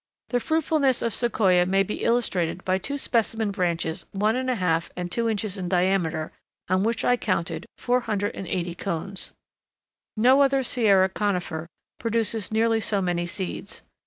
The fruitfulness of Sequoia may be illustrated by two specimen branches one and a half and two inches in diameter on which I counted 480 cones. No other Sierra conifer produces nearly so many seeds.